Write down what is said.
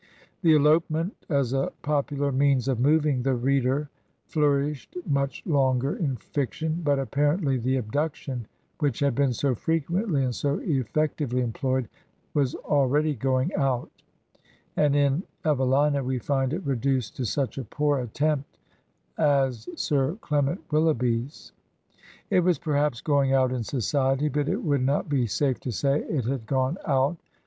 The elopement as a popular means of moving the reader flourished much longer in fiction; but apparent ly the abduction, which had been so frequently and so effectively employed, was already going out; and in Evelina we find it reduced to such a poor attempt as Sir Clement Willoughby's. It was perhaps going out . in society, but it would not be safe to say it had gone out.